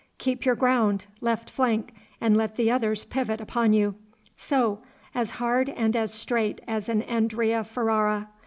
Keep your ground, left flank, and let the others pivot upon you. So as hard and as straight as an Andrea Ferrara.